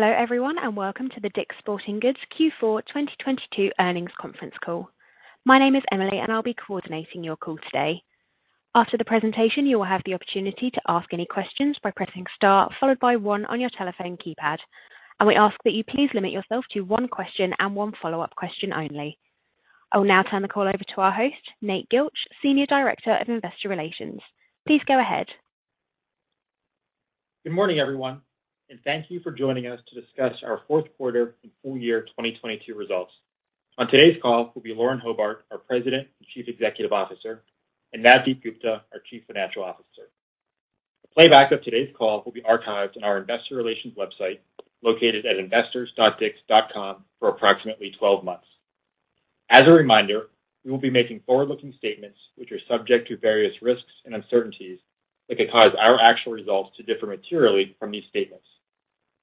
Hello, everyone, and welcome to the DICK'S Sporting Goods Q4 2022 earnings conference call. My name is Emily, and I'll be coordinating your call today. After the presentation, you will have the opportunity to ask any questions by pressing star followed by one on your telephone keypad. We ask that you please limit yourself to one question and one follow-up question only. I will now turn the call over to our host, Nate Gilch, Senior Director of Investor Relations. Please go ahead. Good morning, everyone, and thank you for joining us to discuss our fourth quarter and full year 2022 results. On today's call will be Lauren Hobart, our President and Chief Executive Officer, and Navdeep Gupta, our Chief Financial Officer. A playback of today's call will be archived on our investor relations website, located at investors.dicks.com for approximately 12 months. As a reminder, we will be making forward-looking statements which are subject to various risks and uncertainties that could cause our actual results to differ materially from these statements.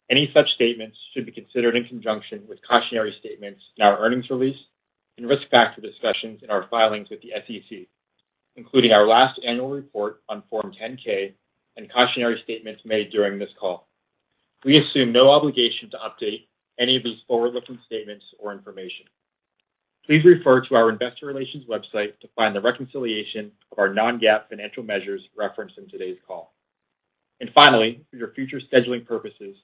Any such statements should be considered in conjunction with cautionary statements in our earnings release and risk factor discussions in our filings with the SEC, including our last annual report on Form 10-K and cautionary statements made during this call. We assume no obligation to update any of these forward-looking statements or information. Please refer to our investor relations website to find the reconciliation of our non-GAAP financial measures referenced in today's call. Finally, for your future scheduling purposes,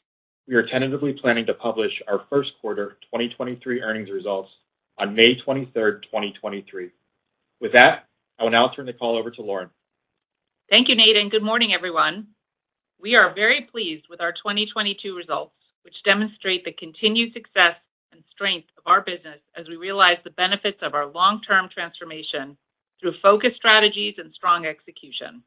we are tentatively planning to publish our first quarter 2023 earnings results on May 23rd, 2023. With that, I will now turn the call over to Lauren. Thank you, Nate. Good morning, everyone. We are very pleased with our 2022 results, which demonstrate the continued success and strength of our business as we realize the benefits of our long-term transformation through focused strategies and strong execution.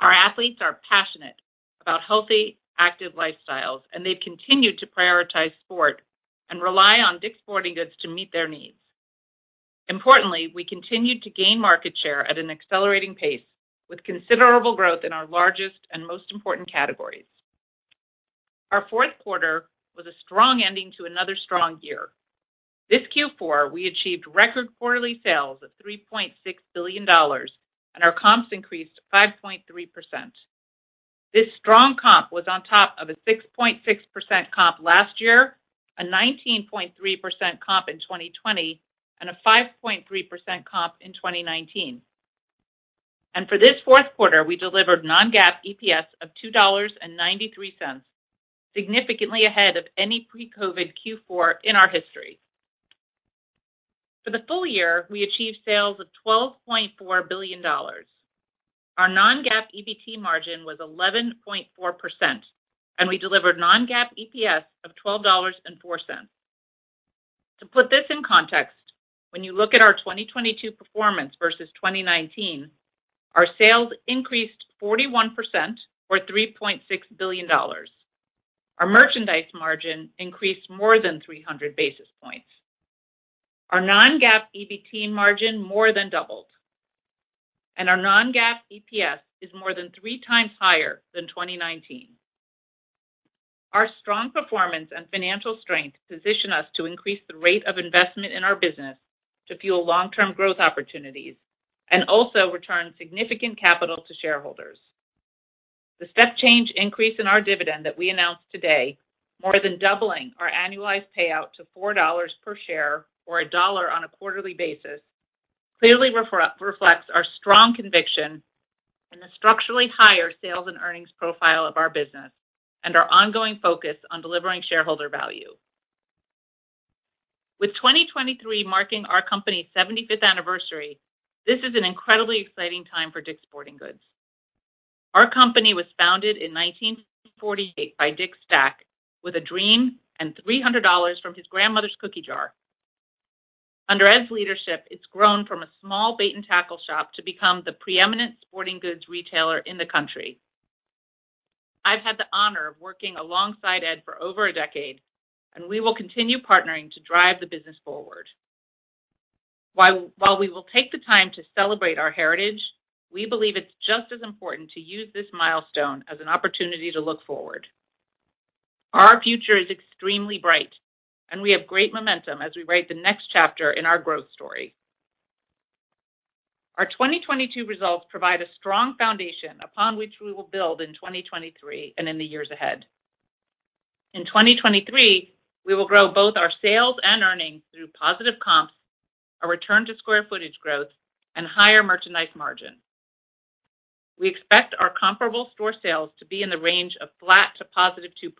Our athletes are passionate about healthy, active lifestyles, and they've continued to prioritize sport and rely on DICK'S Sporting Goods to meet their needs. Importantly, we continued to gain market share at an accelerating pace, with considerable growth in our largest and most important categories. Our fourth quarter was a strong ending to another strong year. This Q4, we achieved record quarterly sales of $3.6 billion, and our comps increased 5.3%. This strong comp was on top of a 6.6% comp last year, a 19.3% comp in 2020, and a 5.3% comp in 2019. For this fourth quarter, we delivered non-GAAP EPS of $2.93, significantly ahead of any pre-COVID Q4 in our history. For the full year, we achieved sales of $12.4 billion. Our non-GAAP EBT margin was 11.4%, and we delivered non-GAAP EPS of $12.04. To put this in context, when you look at our 2022 performance versus 2019, our sales increased 41% or $3.6 billion. Our merchandise margin increased more than 300 basis points. Our non-GAAP EBT margin more than doubled, and our non-GAAP EPS is more than 3x higher than 2019. Our strong performance and financial strength position us to increase the rate of investment in our business to fuel long-term growth opportunities and also return significant capital to shareholders. The step change increase in our dividend that we announced today, more than doubling our annualized payout to $4 per share or $1 on a quarterly basis, clearly reflects our strong conviction in the structurally higher sales and earnings profile of our business and our ongoing focus on delivering shareholder value. With 2023 marking our company's 75th anniversary, this is an incredibly exciting time for DICK'S Sporting Goods. Our company was founded in 1948 by Dick Stack with a dream and $300 from his grandmother's cookie jar. Under Ed's leadership, it's grown from a small bait and tackle shop to become the preeminent sporting goods retailer in the country. I've had the honor of working alongside Ed for over a decade, and we will continue partnering to drive the business forward. While we will take the time to celebrate our heritage, we believe it's just as important to use this milestone as an opportunity to look forward. Our future is extremely bright, and we have great momentum as we write the next chapter in our growth story. Our 2022 results provide a strong foundation upon which we will build in 2023 and in the years ahead. In 2023, we will grow both our sales and earnings through positive comps, a return to square footage growth, and higher merchandise margin. We expect our comparable store sales to be in the range of flat to positive 2%.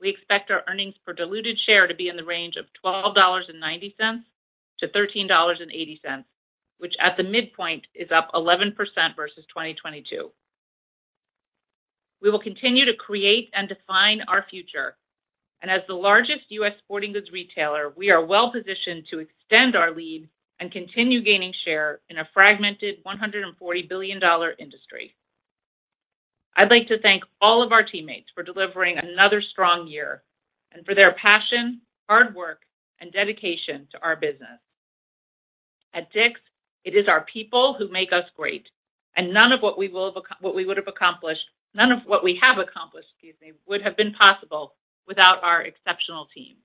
We expect our earnings per diluted share to be in the range of $12.90-$13.80, which at the midpoint is up 11% versus 2022. We will continue to create and define our future. As the largest U.S. sporting goods retailer, we are well-positioned to extend our lead and continue gaining share in a fragmented $140 billion industry. I'd like to thank all of our teammates for delivering another strong year and for their passion, hard work, and dedication to our business. At DICK'S, it is our people who make us great, and none of what we would have accomplished, none of what we have accomplished, excuse me, would have been possible without our exceptional team.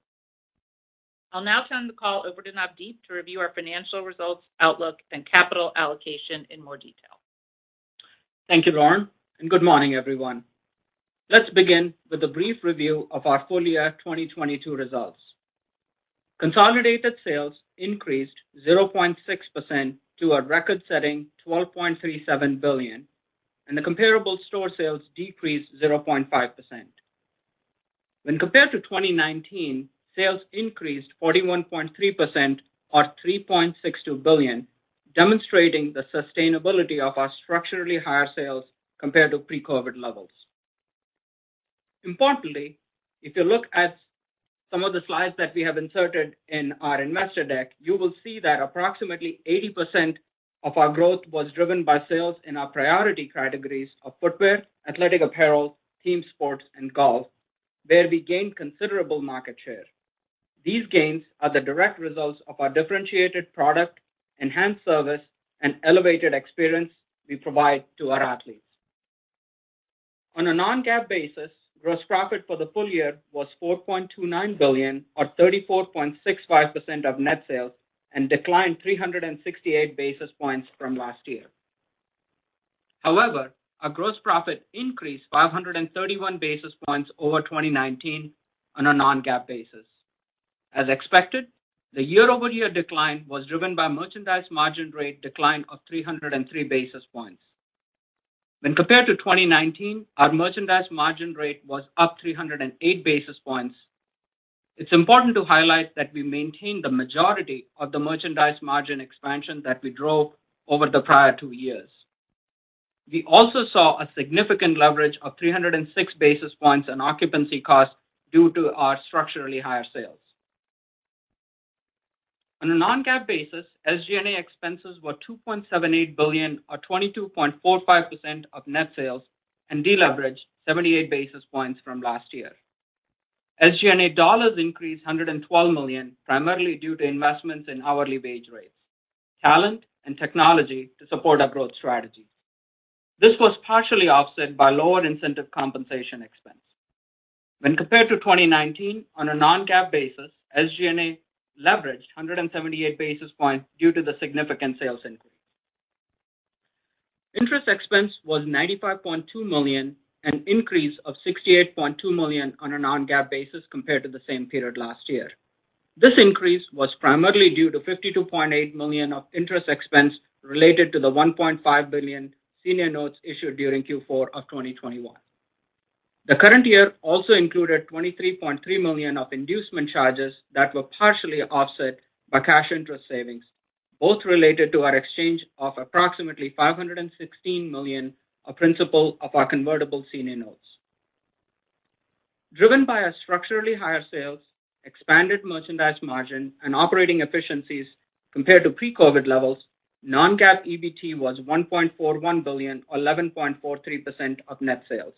I'll now turn the call over to Navdeep to review our financial results, outlook, and capital allocation in more detail. Thank you, Lauren. Good morning, everyone. Let's begin with a brief review of our full year 2022 results. Consolidated sales increased 0.6% to a record-setting $12.37 billion. The comparable store sales decreased 0.5%. When compared to 2019, sales increased 41.3% or $3.62 billion, demonstrating the sustainability of our structurally higher sales compared to pre-COVID levels. Importantly, if you look at some of the slides that we have inserted in our investor deck, you will see that approximately 80% of our growth was driven by sales in our priority categories of footwear, athletic apparel, team sports, and golf, where we gained considerable market share. These gains are the direct results of our differentiated product, enhanced service, and elevated experience we provide to our athletes. On a non-GAAP basis, gross profit for the full year was $4.29 billion or 34.65% of net sales and declined 368 basis points from last year. Our gross profit increased 531 basis points over 2019 on a non-GAAP basis. As expected, the year-over-year decline was driven by merchandise margin rate decline of 303 basis points. When compared to 2019, our merchandise margin rate was up 308 basis points. It's important to highlight that we maintained the majority of the merchandise margin expansion that we drove over the prior two years. We also saw a significant leverage of 306 basis points on occupancy costs due to our structurally higher sales. On a non-GAAP basis, SG&A expenses were $2.78 billion or 22.45% of net sales and deleveraged 78 basis points from last year. SG&A dollars increased $112 million, primarily due to investments in hourly wage rates, talent, and technology to support our growth strategy. This was partially offset by lower incentive compensation expense. When compared to 2019 on a non-GAAP basis, SG&A leveraged 178 basis points due to the significant sales increase. Interest expense was $95.2 million, an increase of $68.2 million on a non-GAAP basis compared to the same period last year. This increase was primarily due to $52.8 million of interest expense related to the $1.5 billion senior notes issued during Q4 of 2021. The current year also included $23.3 million of inducement charges that were partially offset by cash interest savings, both related to our exchange of approximately $516 million of principal of our convertible senior notes. Driven by our structurally higher sales, expanded merchandise margin, and operating efficiencies compared to pre-COVID levels, non-GAAP EBT was $1.41 billion or 11.43% of net sales.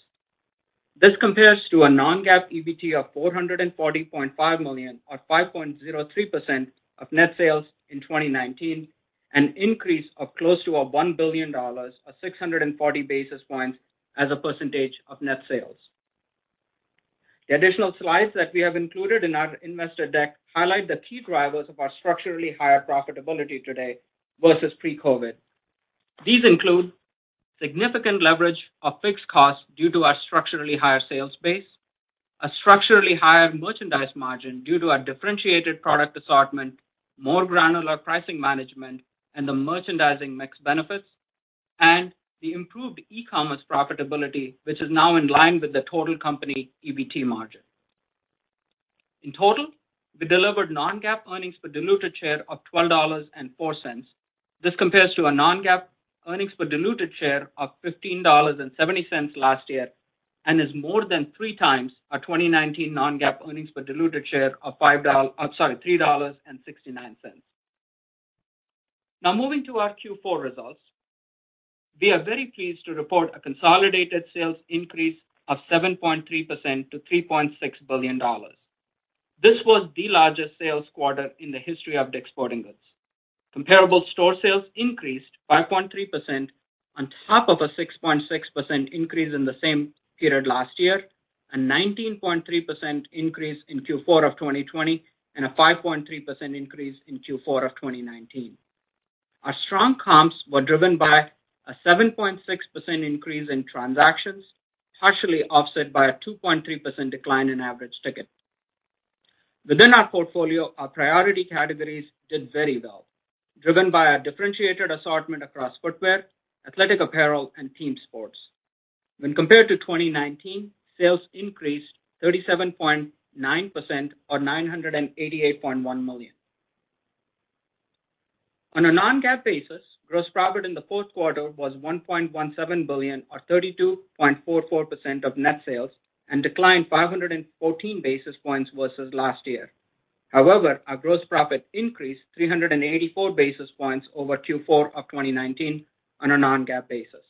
This compares to a non-GAAP EBT of $440.5 million or 5.03% of net sales in 2019, an increase of close to a $1 billion or 640 basis points as a percentage of net sales. The additional slides that we have included in our investor deck highlight the key drivers of our structurally higher profitability today versus pre-COVID. These include significant leverage of fixed costs due to our structurally higher sales base, a structurally higher merchandise margin due to our differentiated product assortment, more granular pricing management, and the merchandising mix benefits, and the improved e-commerce profitability, which is now in line with the total company EBT margin. In total, we delivered non-GAAP earnings per diluted share of $12.04. This compares to a non-GAAP earnings per diluted share of $15.70 last year, and is more than 3x our 2019 non-GAAP earnings per diluted share of, I'm sorry, $3.69. Moving to our Q4 results. We are very pleased to report a consolidated sales increase of 7.3% to $3.6 billion. This was the largest sales quarter in the history of DICK'S Sporting Goods. Comparable store sales increased 5.3% on top of a 6.6% increase in the same period last year, a 19.3% increase in Q4 of 2020, and a 5.3% increase in Q4 of 2019. Our strong comps were driven by a 7.6% increase in transactions, partially offset by a 2.3% decline in average ticket. Within our portfolio, our priority categories did very well, driven by our differentiated assortment across footwear, athletic apparel, and team sports. When compared to 2019, sales increased 37.9% or $988.1 million. On a non-GAAP basis, gross profit in the fourth quarter was $1.17 billion or 32.44% of net sales and declined 514 basis points versus last year. Our gross profit increased 384 basis points over Q4 2019 on a non-GAAP basis.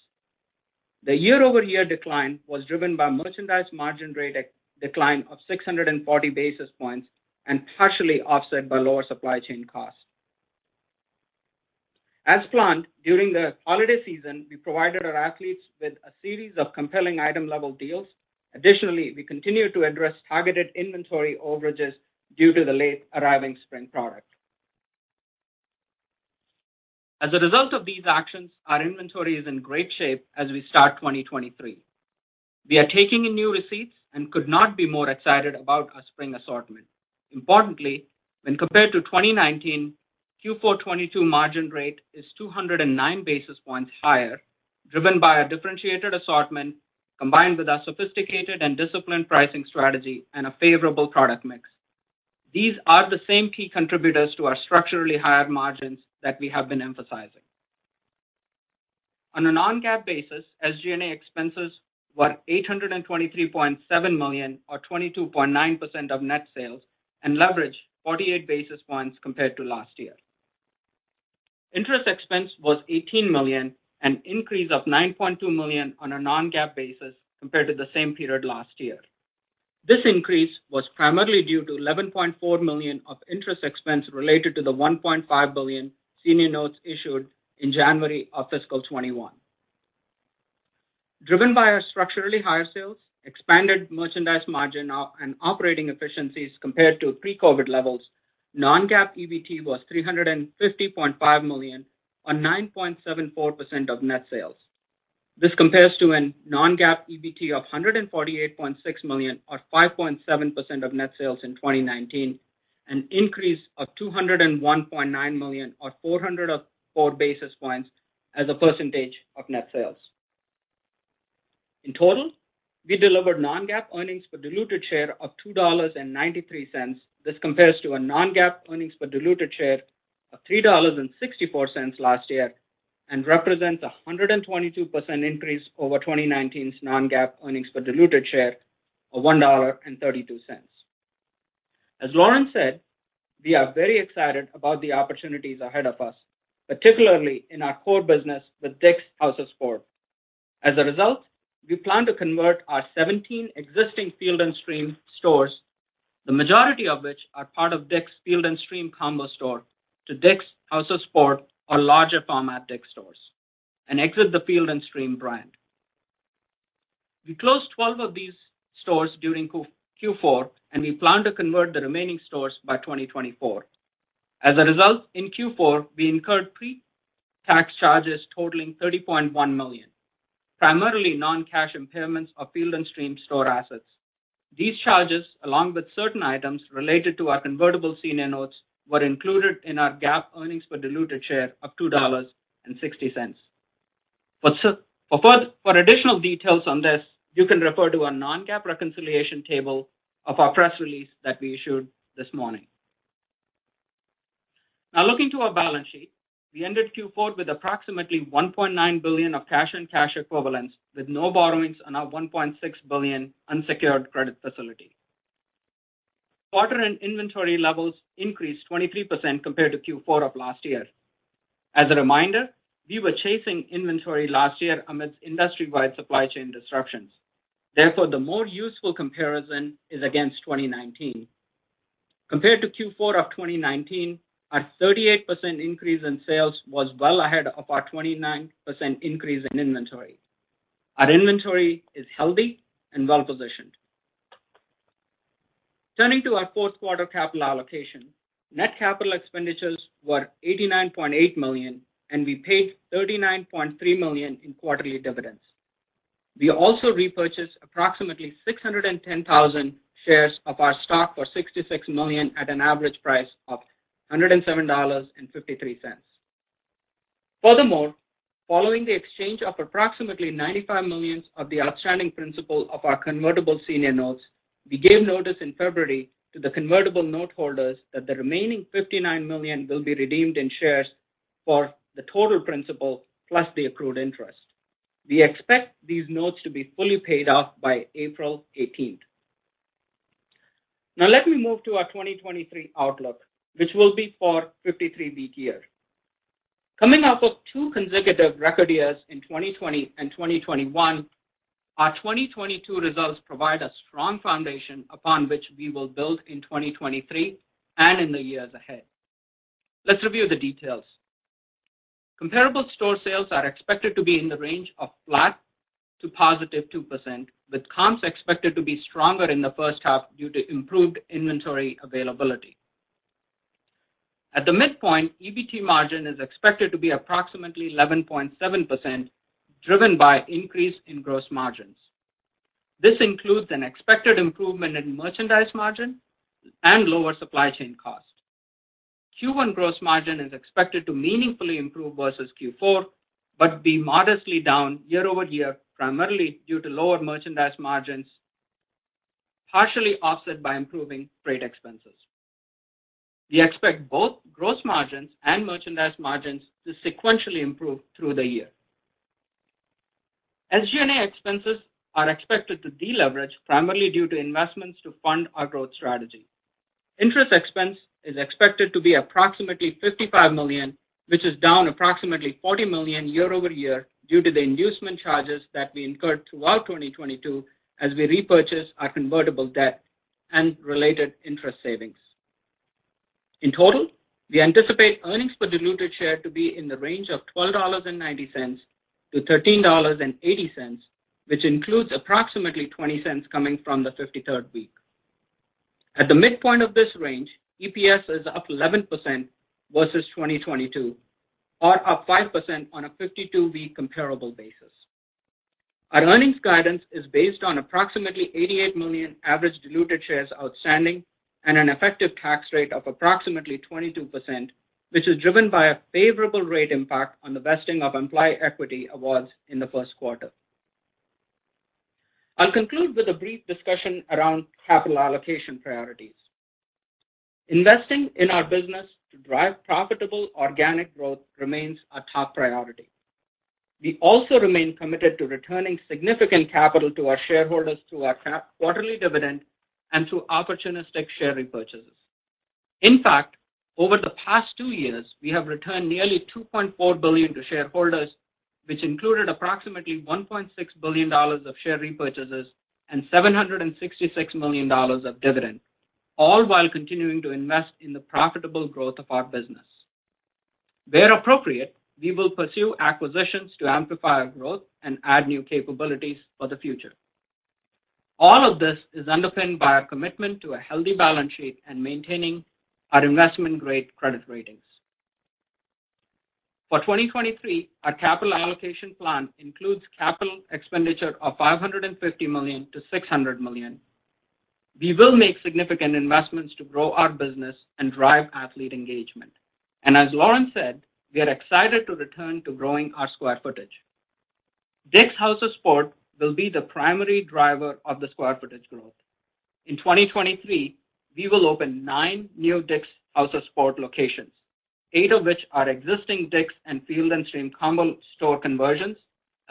The year-over-year decline was driven by merchandise margin rate decline of 640 basis points and partially offset by lower supply chain costs. As planned, during the holiday season, we provided our athletes with a series of compelling item level deals. We continued to address targeted inventory overages due to the late arriving spring product. As a result of these actions, our inventory is in great shape as we start 2023. We are taking in new receipts and could not be more excited about our spring assortment. When compared to 2019, Q4 2022 margin rate is 209 basis points higher, driven by a differentiated assortment combined with our sophisticated and disciplined pricing strategy and a favorable product mix. These are the same key contributors to our structurally higher margins that we have been emphasizing. On a non-GAAP basis, SG&A expenses were $823.7 million or 22.9% of net sales, and leverage 48 basis points compared to last year. Interest expense was $18 million, an increase of $9.2 million on a non-GAAP basis compared to the same period last year. This increase was primarily due to $11.4 million of interest expense related to the $1.5 billion senior notes issued in January of fiscal 2021. Driven by our structurally higher sales, expanded merchandise margin and operating efficiencies compared to pre-COVID levels, non-GAAP EBT was $350.5 million on 9.74% of net sales. This compares to a non-GAAP EBT of $148.6 million or 5.7% of net sales in 2019, an increase of $201.9 million or 404 basis points as a percentage of net sales. In total, we delivered non-GAAP earnings per diluted share of $2.93. This compares to a non-GAAP earnings per diluted share of $3.64 last year, represents a 122% increase over 2019's non-GAAP earnings per diluted share of $1.32. As Lauren said, we are very excited about the opportunities ahead of us, particularly in our core business with DICK'S House of Sport. As a result, we plan to convert our 17 existing Field & Stream stores, the majority of which are part of DICK'S Field & Stream combo store, to DICK'S House of Sport or larger format DICK'S stores, and exit the Field & Stream brand. We closed 12 of these stores during Q4, and we plan to convert the remaining stores by 2024. As a result, in Q4, we incurred pre-tax charges totaling $30.1 million, primarily non-cash impairments of Field & Stream store assets. These charges, along with certain items related to our convertible senior notes, were included in our GAAP earnings per diluted share of $2.60. For additional details on this, you can refer to our non-GAAP reconciliation table of our press release that we issued this morning. Now, looking to our balance sheet, we ended Q4 with approximately $1.9 billion of cash and cash equivalents, with no borrowings on our $1.6 billion unsecured credit facility. Quarter and inventory levels increased 23% compared to Q4 of last year. As a reminder, we were chasing inventory last year amidst industry-wide supply chain disruptions. Therefore, the more useful comparison is against 2019. Compared to Q4 of 2019, our 38% increase in sales was well ahead of our 29% increase in inventory. Our inventory is healthy and well-positioned. Turning to our fourth quarter capital allocation, net capital expenditures were $89.8 million, and we paid $39.3 million in quarterly dividends. We also repurchased approximately 610,000 shares of our stock for $66 million at an average price of $107.53. Following the exchange of approximately $95 million of the outstanding principal of our convertible senior notes, we gave notice in February to the convertible note holders that the remaining $59 million will be redeemed in shares for the total principal plus the accrued interest. We expect these notes to be fully paid off by April 18th. Let me move to our 2023 outlook, which will be for 53-week year. Coming off of two consecutive record years in 2020 and 2021, our 2022 results provide a strong foundation upon which we will build in 2023 and in the years ahead. Let's review the details. Comparable store sales are expected to be in the range of flat to positive 2%, with comps expected to be stronger in the first half due to improved inventory availability. At the midpoint, EBT margin is expected to be approximately 11.7%, driven by increase in gross margins. This includes an expected improvement in merchandise margin and lower supply chain cost. Q1 gross margin is expected to meaningfully improve versus Q4, but be modestly down year-over-year, primarily due to lower merchandise margins, partially offset by improving freight expenses. We expect both gross margins and merchandise margins to sequentially improve through the year. SG&A expenses are expected to deleverage primarily due to investments to fund our growth strategy. Interest expense is expected to be approximately $55 million, which is down approximately $40 million year-over-year due to the inducement charges that we incurred throughout 2022 as we repurchased our convertible debt and related interest savings. In total, we anticipate earnings per diluted share to be in the range of $12.90-$13.80, which includes approximately $0.20 coming from the 53rd week. At the midpoint of this range, EPS is up 11% versus 2022, or up 5% on a 52-week comparable basis. Our earnings guidance is based on approximately 88 million average diluted shares outstanding and an effective tax rate of approximately 22%, which is driven by a favorable rate impact on the vesting of employee equity awards in the first quarter. I'll conclude with a brief discussion around capital allocation priorities. Investing in our business to drive profitable organic growth remains our top priority. We also remain committed to returning significant capital to our shareholders through our quarterly dividend and through opportunistic share repurchases. In fact, over the past two years, we have returned nearly $2.4 billion to shareholders, which included approximately $1.6 billion of share repurchases and $766 million of dividends, all while continuing to invest in the profitable growth of our business. Where appropriate, we will pursue acquisitions to amplify our growth and add new capabilities for the future. All of this is underpinned by our commitment to a healthy balance sheet and maintaining our investment-grade credit ratings. For 2023, our capital allocation plan includes capital expenditure of $550 million-$600 million. We will make significant investments to grow our business and drive athlete engagement. As Lauren said, we are excited to return to growing our square footage. DICK'S House of Sport will be the primary driver of the square footage growth. In 2023, we will open nine new DICK'S House of Sport locations, eight of which are existing DICK'S and Field & Stream combo store conversions,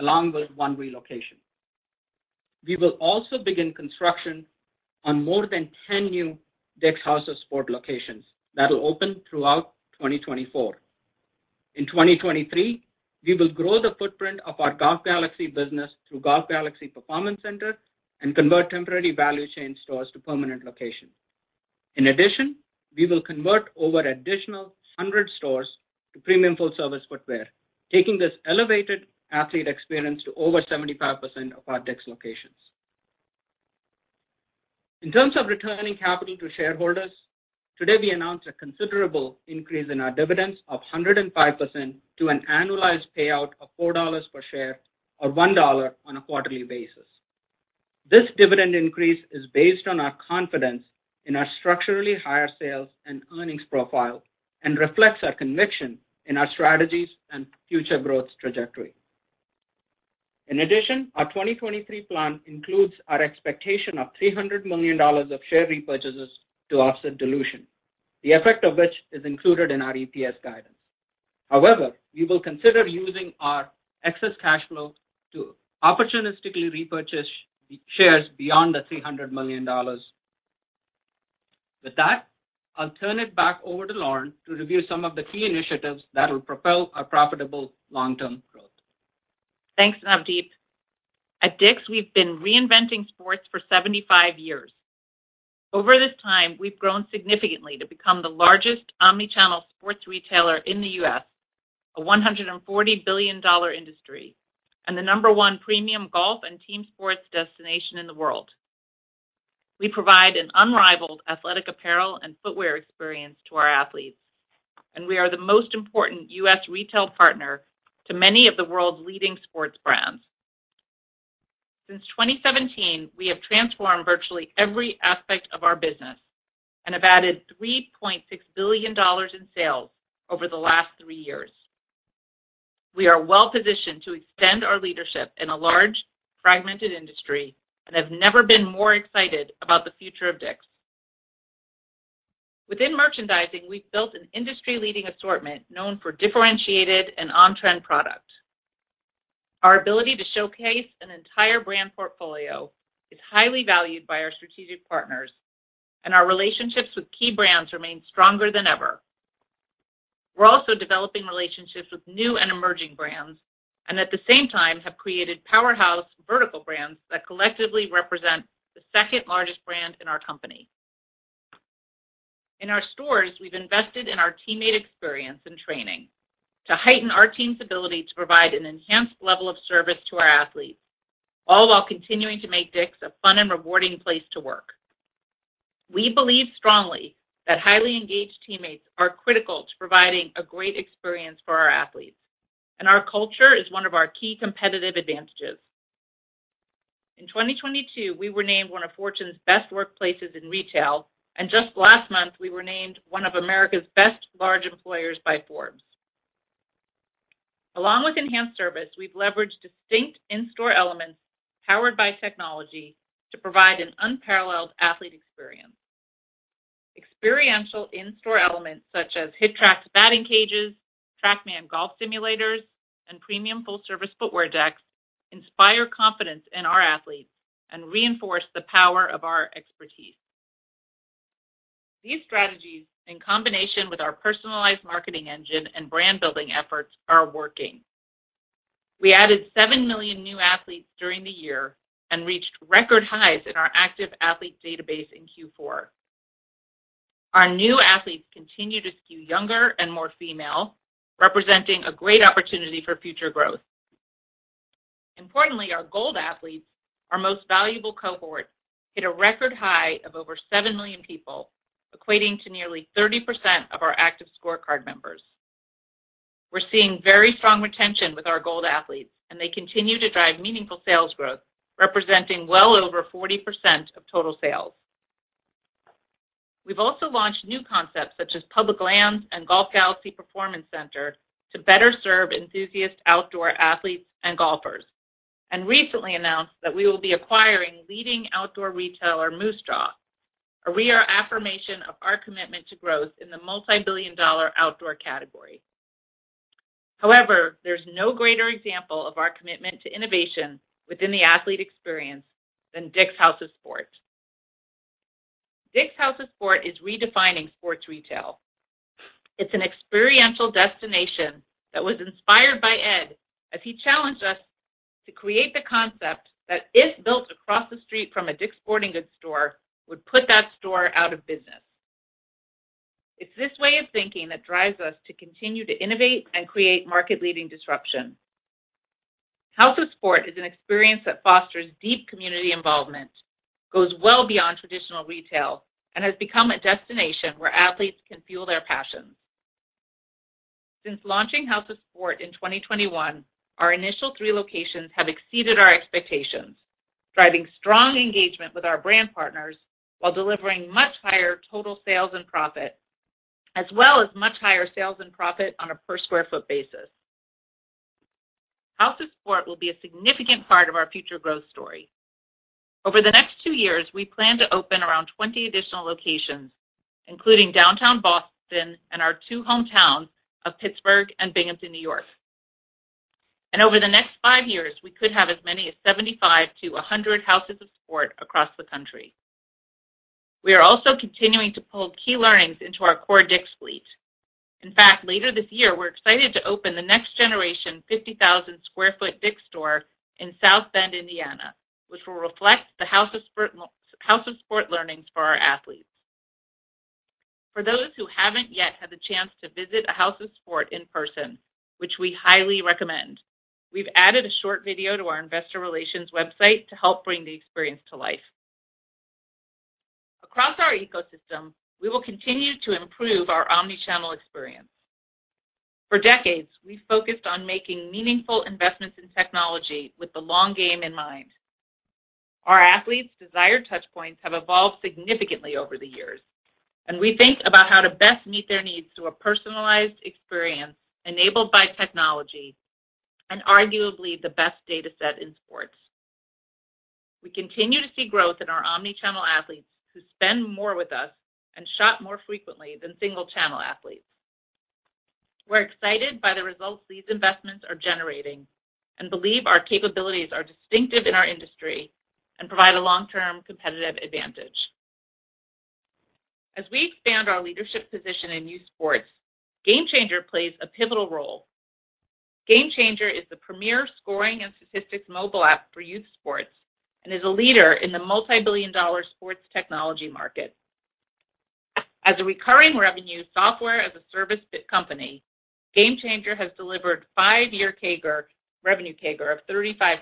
along with one relocation. We will also begin construction on more than 10 new DICK'S House of Sport locations that'll open throughout 2024. In 2023, we will grow the footprint of our Golf Galaxy business through Golf Galaxy Performance Center and convert temporary value chain stores to permanent locations. In addition, we will convert over an additional 100 stores to premium full-service footwear, taking this elevated athlete experience to over 75% of our DICK'S locations. In terms of returning capital to shareholders, today we announced a considerable increase in our dividends of 105% to an annualized payout of $4 per share or $1 on a quarterly basis. This dividend increase is based on our confidence in our structurally higher sales and earnings profile and reflects our conviction in our strategies and future growth trajectory. In addition, our 2023 plan includes our expectation of $300 million of share repurchases to offset dilution, the effect of which is included in our EPS guidance. However, we will consider using our excess cash flow to opportunistically repurchase the shares beyond the $300 million. With that, I'll turn it back over to Lauren to review some of the key initiatives that will propel our profitable long-term growth. Thanks, Navdeep. At DICK'S, we've been reinventing sports for 75 years. Over this time, we've grown significantly to become the largest omni-channel sports retailer in the U.S., a $140 billion industry, and the number one premium golf and team sports destination in the world. We provide an unrivaled athletic apparel and footwear experience to our athletes, and we are the most important U.S. retail partner to many of the world's leading sports brands. Since 2017, we have transformed virtually every aspect of our business and have added $3.6 billion in sales over the last 3 years. We are well-positioned to extend our leadership in a large, fragmented industry and have never been more excited about the future of DICK'S. Within merchandising, we've built an industry-leading assortment known for differentiated and on-trend product. Our ability to showcase an entire brand portfolio is highly valued by our strategic partners, and our relationships with key brands remain stronger than ever. We're also developing relationships with new and emerging brands, and at the same time have created powerhouse vertical brands that collectively represent the second-largest brand in our company. In our stores, we've invested in our teammate experience and training to heighten our team's ability to provide an enhanced level of service to our athletes, all while continuing to make DICK'S a fun and rewarding place to work. We believe strongly that highly engaged teammates are critical to providing a great experience for our athletes, and our culture is one of our key competitive advantages. In 2022, we were named one of Fortune's Best Workplaces in Retail, and just last month, we were named one of America's Best Large Employers by Forbes. Along with enhanced service, we've leveraged distinct in-store elements powered by technology to provide an unparalleled athlete experience. Experiential in-store elements such as HitTrax batting cages, Trackman golf simulators, and premium full-service footwear decks inspire confidence in our athletes and reinforce the power of our expertise. These strategies, in combination with our personalized marketing engine and brand building efforts, are working. We added 7 million new athletes during the year and reached record highs in our active athlete database in Q4. Our new athletes continue to skew younger and more female, representing a great opportunity for future growth. Importantly, our Gold athletes, our most valuable cohort, hit a record high of over 7 million people, equating to nearly 30% of our active ScoreCard members. We're seeing very strong retention with our Gold athletes, and they continue to drive meaningful sales growth, representing well over 40% of total sales. We've also launched new concepts such as Public Lands and Golf Galaxy Performance Center to better serve enthusiast outdoor athletes and golfers, and recently announced that we will be acquiring leading outdoor retailer Moosejaw, a reaffirmation of our commitment to growth in the multi-billion-dollar outdoor category. There's no greater example of our commitment to innovation within the athlete experience than DICK'S House of Sport. DICK'S House of Sport is redefining sports retail. It's an experiential destination that was inspired by Ed as he challenged us to create the concept that if built across the street from a DICK'S Sporting Goods store, would put that store out of business. It's this way of thinking that drives us to continue to innovate and create market-leading disruption. House of Sport is an experience that fosters deep community involvement, goes well beyond traditional retail, and has become a destination where athletes can fuel their passions. Since launching House of Sport in 2021, our initial three locations have exceeded our expectations, driving strong engagement with our brand partners while delivering much higher total sales and profit, as well as much higher sales and profit on a per square foot basis. House of Sport will be a significant part of our future growth story. Over the next two years, we plan to open around 20 additional locations, including downtown Boston and our two hometowns of Pittsburgh and Binghamton, New York. Over the next five years, we could have as many as 75 to 100 Houses of Sport across the country. We are also continuing to pull key learnings into our core DICK'S fleet. Later this year, we're excited to open the next generation 50,000 sq ft DICK'S store in South Bend, Indiana, which will reflect the House of Sport learnings for our athletes. For those who haven't yet had the chance to visit a House of Sport in person, which we highly recommend, we've added a short video to our investor relations website to help bring the experience to life. Across our ecosystem, we will continue to improve our omnichannel experience. For decades, we focused on making meaningful investments in technology with the long game in mind. Our athletes' desired touch points have evolved significantly over the years, and we think about how to best meet their needs through a personalized experience enabled by technology and arguably the best data set in sports. We continue to see growth in our omnichannel athletes who spend more with us and shop more frequently than single-channel athletes. We're excited by the results these investments are generating and believe our capabilities are distinctive in our industry and provide a long-term competitive advantage. As we expand our leadership position in youth sports, GameChanger plays a pivotal role. GameChanger is the premier scoring and statistics mobile app for youth sports and is a leader in the multibillion-dollar sports technology market. As a recurring revenue Software as a Service fit company, GameChanger has delivered five-year CAGR, revenue CAGR of 35%,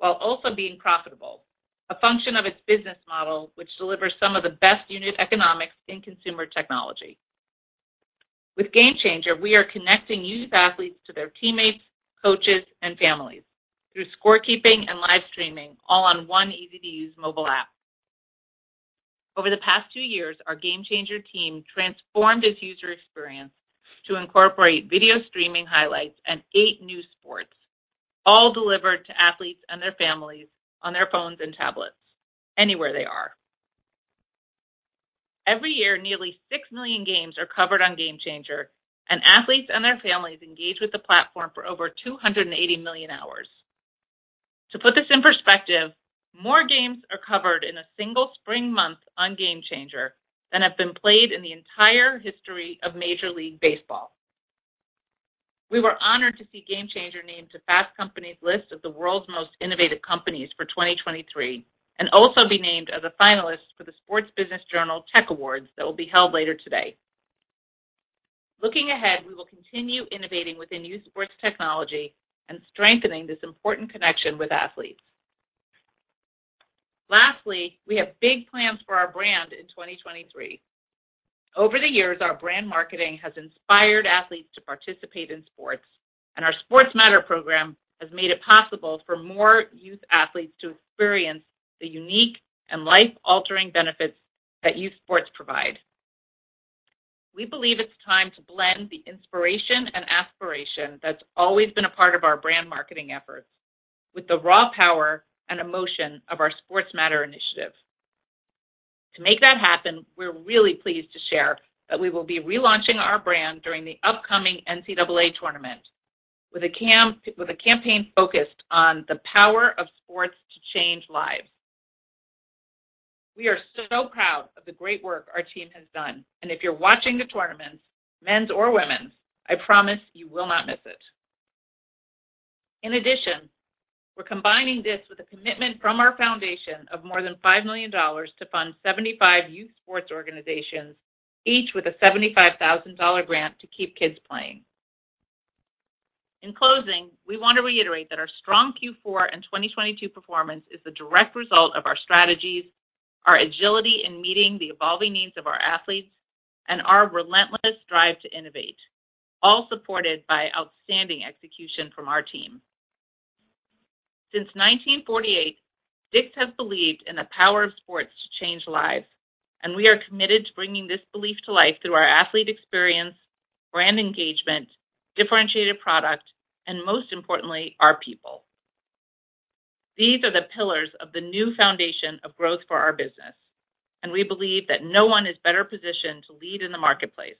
while also being profitable, a function of its business model, which delivers some of the best unit economics in consumer technology. With GameChanger, we are connecting youth athletes to their teammates, coaches, and families through scorekeeping and live streaming, all on one easy-to-use mobile app. Over the past two years, our GameChanger team transformed its user experience to incorporate video streaming highlights and eight new sports, all delivered to athletes and their families on their phones and tablets anywhere they are. Every year, nearly 6 million games are covered on GameChanger, and athletes and their families engage with the platform for over 280 million hours. To put this in perspective, more games are covered in a single spring month on GameChanger than have been played in the entire history of Major League Baseball. We were honored to see GameChanger named to Fast Company's list of the World's Most Innovative Companies of 2023 and also be named as a finalist for the Sports Business Journal Tech Awards that will be held later today. Looking ahead, we will continue innovating within youth sports technology and strengthening this important connection with athletes. Lastly, we have big plans for our brand in 2023. Over the years, our brand marketing has inspired athletes to participate in sports, and our Sports Matter program has made it possible for more youth athletes to experience the unique and life-altering benefits that youth sports provide. We believe it's time to blend the inspiration and aspiration that's always been a part of our brand marketing efforts with the raw power and emotion of our Sports Matter initiative. To make that happen, we're really pleased to share that we will be relaunching our brand during the upcoming NCAA tournament with a campaign focused on the power of sports to change lives. We are so proud of the great work our team has done, if you're watching the tournaments, men's or women's, I promise you will not miss it. We're combining this with a commitment from our foundation of more than $5 million to fund 75 youth sports organizations, each with a $75,000 grant to keep kids playing. We want to reiterate that our strong Q4 and 2022 performance is the direct result of our strategies, our agility in meeting the evolving needs of our athletes, and our relentless drive to innovate, all supported by outstanding execution from our team. Since 1948, DICK'S has believed in the power of sports to change lives. We are committed to bringing this belief to life through our athlete experience, brand engagement, differentiated product, and most importantly, our people. These are the pillars of the new foundation of growth for our business. We believe that no one is better positioned to lead in the marketplace.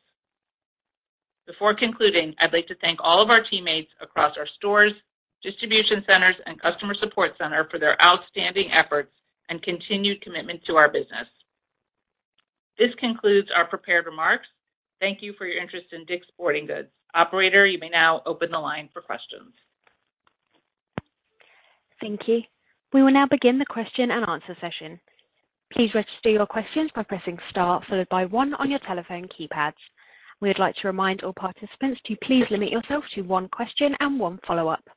Before concluding, I'd like to thank all of our teammates across our stores, distribution centers and customer support center for their outstanding efforts and continued commitment to our business. This concludes our prepared remarks. Thank you for your interest in DICK'S Sporting Goods. Operator, you may now open the line for questions. Thank you. We will now begin the question-and-answer session. Please register your questions by pressing star followed by one on your telephone keypads. We would like to remind all participants to please limit yourself to one question and one follow-up. We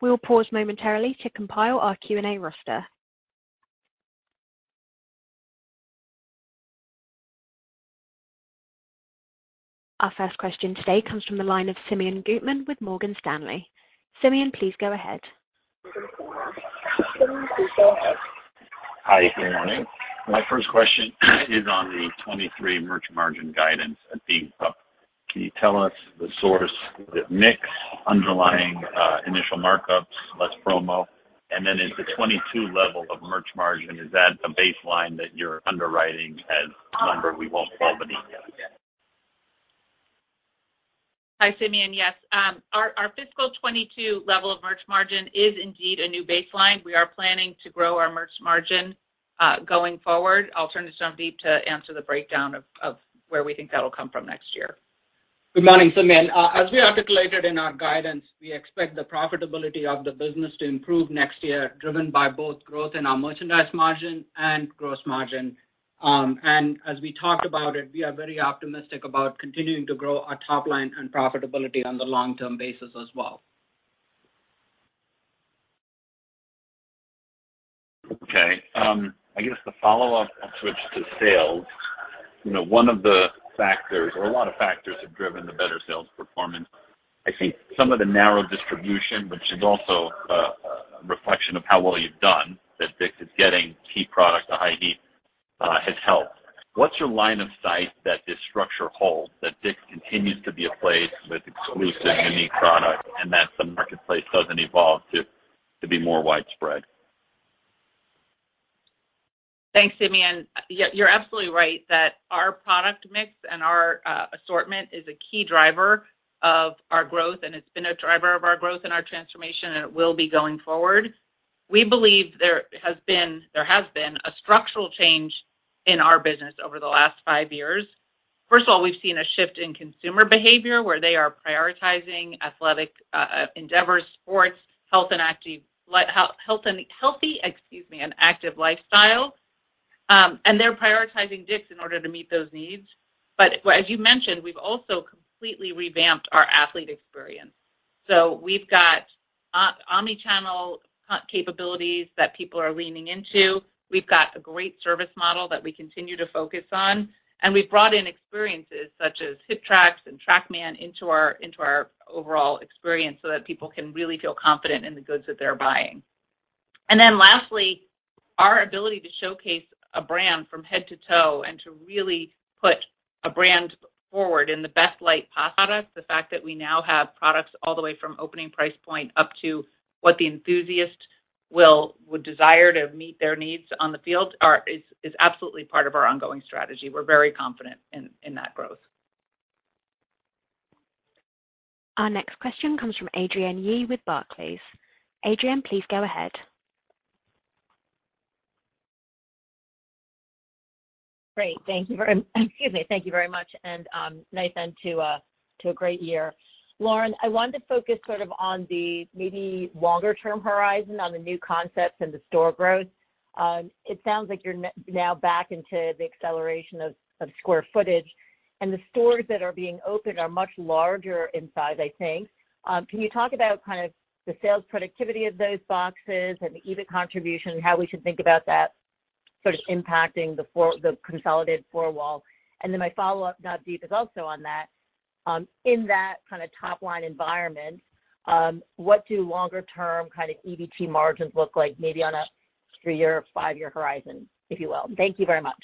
will pause momentarily to compile our Q&A roster. Our first question today comes from the line of Simeon Gutman with Morgan Stanley. Simeon, please go ahead. Hi, good morning. My first question is on the 23% merch margin guidance at being up. Can you tell us the source, the mix underlying, initial markups, less promo? Is the 22% level of merch margin, is that a baseline that you're underwriting as a number we won't fall beneath? Hi, Simeon. Yes. our fiscal 2022 level of merch margin is indeed a new baseline. We are planning to grow our merch margin going forward. I'll turn it to Navdeep to answer the breakdown of where we think that'll come from next year. Good morning, Simeon. As we articulated in our guidance, we expect the profitability of the business to improve next year, driven by both growth in our merchandise margin and gross margin. As we talked about it, we are very optimistic about continuing to grow our top line and profitability on the long-term basis as well. Okay. I guess the follow-up, I'll switch to sales. You know, one of the factors or a lot of factors have driven the better sales performance. I see some of the narrow distribution, which is also a reflection of how well you've done, that DICK'S is getting key product to high heat, has helped. What's your line of sight that this structure holds, that DICK'S continues to be a place with exclusive, unique product and that the marketplace doesn't evolve to be more widespread? Thanks, Simeon. You're absolutely right that our product mix and our assortment is a key driver of our growth, and it's been a driver of our growth and our transformation, and it will be going forward. We believe there has been a structural change in our business over the last five years. We've seen a shift in consumer behavior where they are prioritizing athletic endeavors, sports, health, and healthy, excuse me, an active lifestyle. They're prioritizing DICK'S in order to meet those needs. As you mentioned, we've also completely revamped our athlete experience. We've got omni-channel capabilities that people are leaning into. We've got a great service model that we continue to focus on. We've brought in experiences such as HitTrax and Trackman into our overall experience so that people can really feel confident in the goods that they're buying. Lastly, our ability to showcase a brand from head to toe and to really put a brand forward in the best light possible. The fact that we now have products all the way from opening price point up to what the enthusiast would desire to meet their needs on the field is absolutely part of our ongoing strategy. We're very confident in that growth. Our next question comes from Adrienne Yih with Barclays. Adrienne, please go ahead. Great. Excuse me. Thank you very much, and nice end to a great year. Lauren, I wanted to focus sort of on the maybe longer term horizon on the new concepts and the store growth. It sounds like you're now back into the acceleration of square footage, and the stores that are being opened are much larger in size, I think. Can you talk about kind of the sales productivity of those boxes and the EBIT contribution and how we should think about that sort of impacting the consolidated four wall? My follow-up, Navdeep, is also on that. In that kind of top line environment, what do longer term kind of EBIT margins look like maybe on a three-year, five-year horizon, if you will? Thank you very much.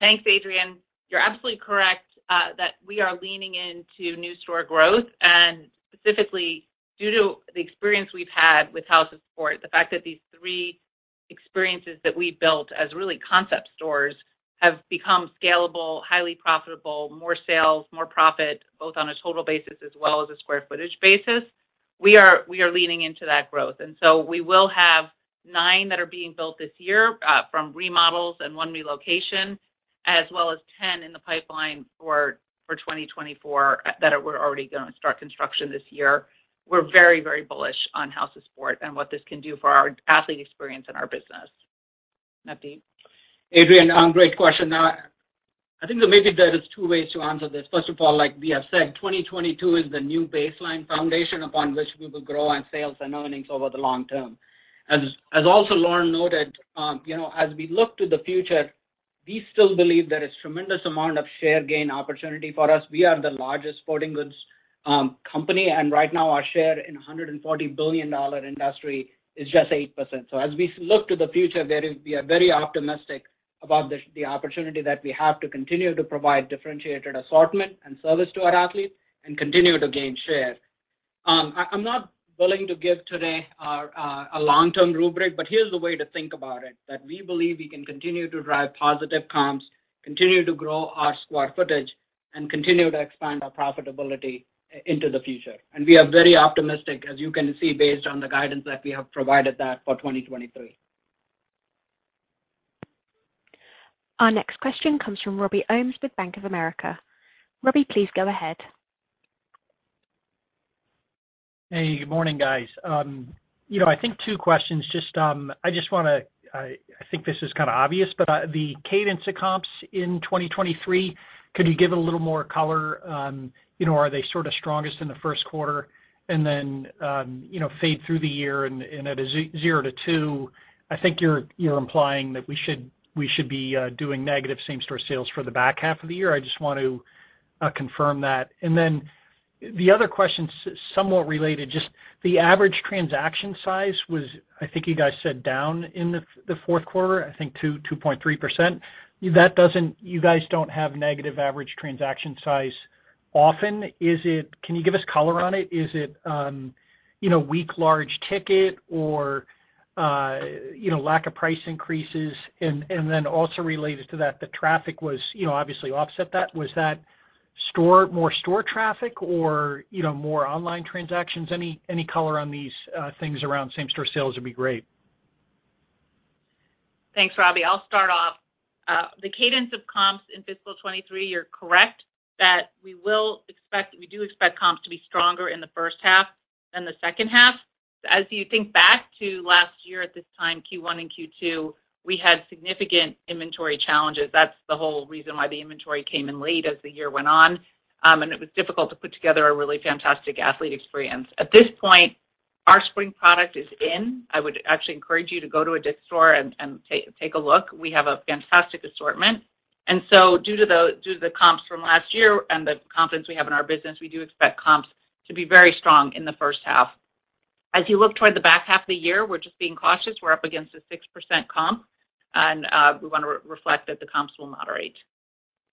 Thanks, Adrienne. You're absolutely correct that we are leaning into new store growth and specifically due to the experience we've had with House of Sport. The fact that these three experiences that we built as really concept stores have become scalable, highly profitable, more sales, more profit, both on a total basis as well as a square footage basis. We are leaning into that growth. We will have nine that are being built this year from remodels and one relocation, as well as 10 in the pipeline for 2024 that we're already gonna start construction this year. We're very, very bullish on House of Sport and what this can do for our athlete experience and our business. Navdeep. Adrienne, great question. I think that maybe there is two ways to answer this. First of all, like we have said, 2022 is the new baseline foundation upon which we will grow on sales and earnings over the long term. As also Lauren noted, you know, as we look to the future, we still believe there is tremendous amount of share gain opportunity for us. We are the largest sporting goods company, and right now our share in $140 billion industry is just 8%. As we look to the future, there is, we are very optimistic about this, the opportunity that we have to continue to provide differentiated assortment and service to our athletes and continue to gain share. I'm not willing to give today our a long-term rubric, but here's the way to think about it. We believe we can continue to drive positive comps, continue to grow our square footage, and continue to expand our profitability into the future. We are very optimistic, as you can see, based on the guidance that we have provided that for 2023. Our next question comes from Robby Ohmes with Bank of America. Robby, please go ahead. Hey, good morning, guys. You know, I think two questions. I just want to. I think this is kind of obvious, but the cadence of comps in 2023, could you give a little more color on, you know, are they sort of strongest in the first quarter and then, you know, fade through the year and at a zero to two? I think you're implying that we should be doing negative same-store sales for the back half of the year. I just want to confirm that. The other question somewhat related, just the average transaction size was I think you guys said down in the fourth quarter, I think 2%, 2.3%. You guys don't have negative average transaction size often. Can you give us color on it? Is it, you know, weak large ticket or, you know, lack of price increases? Also related to that, the traffic was, you know, obviously offset that. Was that more store traffic or, you know, more online transactions? Any, any color on these things around same-store sales would be great. Thanks, Robby. I'll start off. The cadence of comps in fiscal 2023, you're correct that we do expect comps to be stronger in the first half than the second half. As you think back to last year at this time, Q1 and Q2, we had significant inventory challenges. That's the whole reason why the inventory came in late as the year went on, and it was difficult to put together a really fantastic athlete experience. At this point, our spring product is in. I would actually encourage you to go to a DICK'S store and take a look. We have a fantastic assortment. So due to the comps from last year and the confidence we have in our business, we do expect comps to be very strong in the first half. As you look toward the back half of the year, we're just being cautious. We're up against a 6% comp and we wanna re-reflect that the comps will moderate.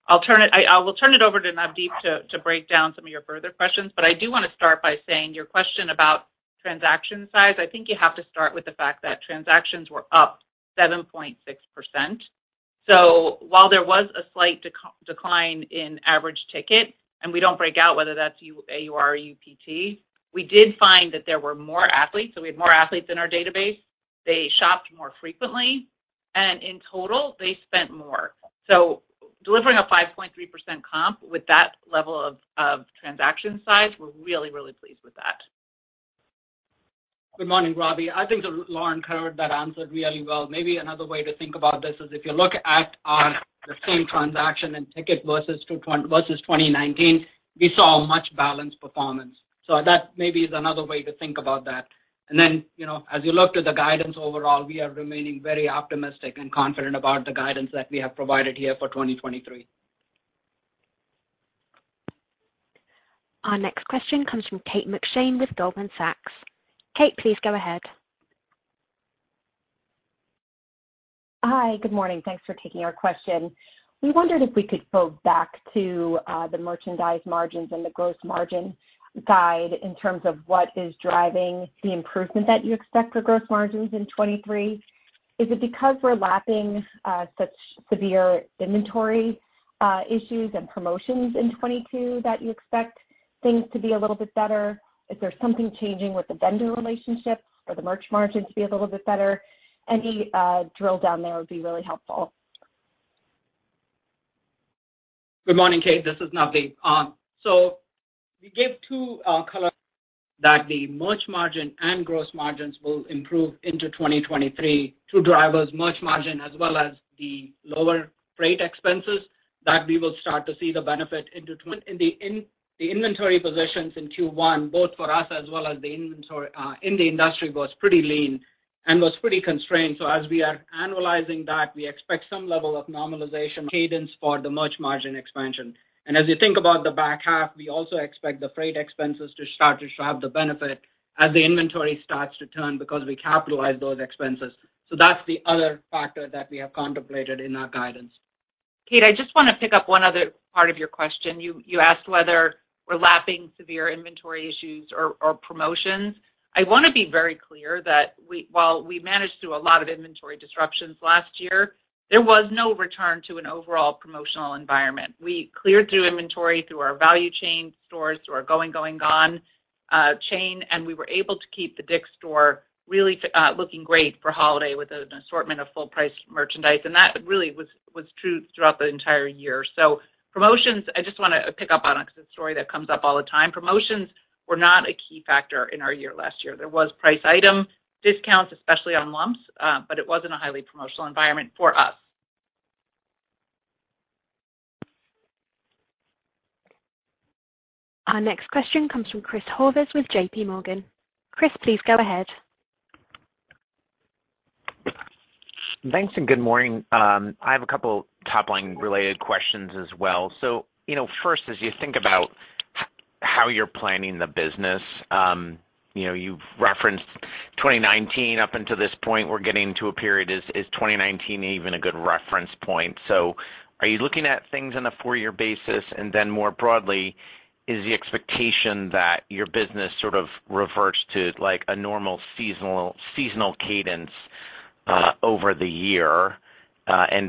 I will turn it over to Navdeep to break down some of your further questions, but I do wanna start by saying your question about transaction size, I think you have to start with the fact that transactions were up 7.6%. While there was a slight decline in average ticket, and we don't break out whether that's AUR or UPT, we did find that there were more athletes, so we had more athletes in our database. They shopped more frequently, and in total, they spent more. Delivering a 5.3% comp with that level of transaction size, we're really pleased with that. Good morning, Robby. I think Lauren covered that answer really well. Maybe another way to think about this is if you look at the same transaction in ticket versus 2019, we saw a much balanced performance. That maybe is another way to think about that. You know, as you look to the guidance overall, we are remaining very optimistic and confident about the guidance that we have provided here for 2023. Our next question comes from Kate McShane with Goldman Sachs. Kate, please go ahead. Hi. Good morning. Thanks for taking our question. We wondered if we could go back to the merchandise margins and the gross margin guide in terms of what is driving the improvement that you expect for gross margins in 2023. Is it because we're lapping such severe inventory issues and promotions in 2022 that you expect things to be a little bit better? Is there something changing with the vendor relationship for the merch margin to be a little bit better? Any drill down there would be really helpful. Good morning, Kate. This is Navdeep. We gave two color that the merch margin and gross margins will improve into 2023. Two drivers, merch margin as well as the lower freight expenses that we will start to see the benefit in the inventory positions in Q1, both for us as well as the inventory in the industry, was pretty lean and was pretty constrained. As we are annualizing that, we expect some level of normalization cadence for the merch margin expansion. As you think about the back half, we also expect the freight expenses to start to show out the benefit as the inventory starts to turn because we capitalize those expenses. That's the other factor that we have contemplated in our guidance. Kate, I just wanna pick up one other part of your question. You asked whether we're lapping severe inventory issues or promotions. I wanna be very clear that while we managed through a lot of inventory disruptions last year, there was no return to an overall promotional environment. We cleared through inventory through our value chain stores, through our Going, Going, Gone chain, and we were able to keep the DICK'S store really looking great for holiday with an assortment of full price merchandise. That really was true throughout the entire year. Promotions, I just wanna pick up on it 'cause it's a story that comes up all the time. Promotions were not a key factor in our year last year. There was price item discounts, especially on lumps, but it wasn't a highly promotional environment for us. Our next question comes from Chris Horvers with JPMorgan. Chris, please go ahead. Thanks, and good morning. I have a couple top line related questions as well. You know, first, as you think about how you're planning the business, you know, you've referenced 2019 up until this point. We're getting to a period. Is 2019 even a good reference point? Are you looking at things on a 4-year basis? More broadly, is the expectation that your business sort of reverts to, like, a normal seasonal cadence over the year?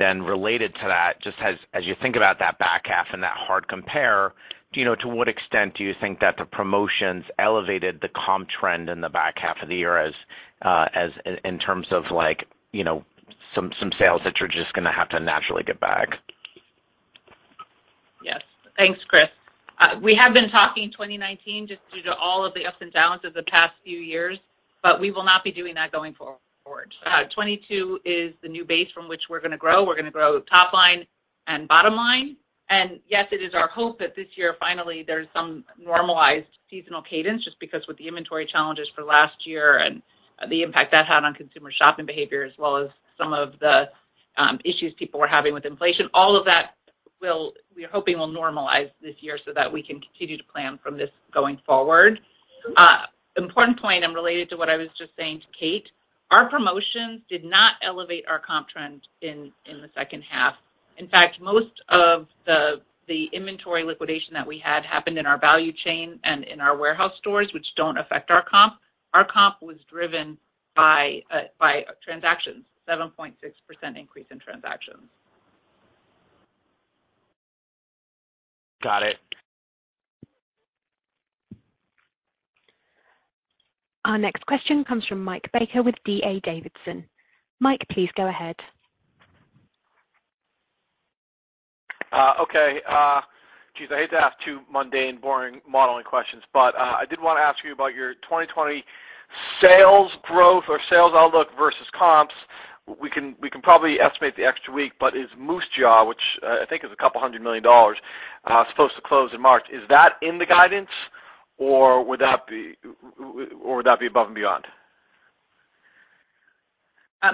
Related to that, just as you think about that back half and that hard compare, do you know to what extent do you think that the promotions elevated the comp trend in the back half of the year as in terms of like, you know, some sales that you're just gonna have to naturally get back? Yes. Thanks, Chris. We have been talking 2019 just due to all of the ups and downs of the past few years. We will not be doing that going forward. 2022 is the new base from which we're gonna grow. We're gonna grow top line and bottom line. Yes, it is our hope that this year, finally, there's some normalized seasonal cadence just because with the inventory challenges for last year and the impact that had on consumer shopping behavior, as well as some of the issues people were having with inflation, all of that we're hoping will normalize this year so that we can continue to plan from this going forward. Important point and related to what I was just saying to Kate, our promotions did not elevate our comp trend in the second half. In fact, most of the inventory liquidation that we had happened in our value chain and in our warehouse stores, which don't affect our comp. Our comp was driven by transactions, 7.6% increase in transactions. Got it. Our next question comes from Mike Baker with D.A. Davidson. Mike, please go ahead. Okay. Geez, I hate to ask two mundane, boring modeling questions, but I did wanna ask you about your 2020 sales growth or sales outlook versus comps. We can, we can probably estimate the extra week. Is Moosejaw, which I think it was a couple hundred million dollars, supposed to close in March, is that in the guidance, or would that be or would that be above and beyond?